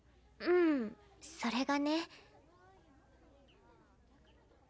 うんそれがね。